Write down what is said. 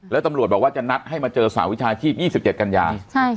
แล้วตำรวจบอกว่าจะนัดให้มาเจอสาวิชาชีพ๒๗กันยา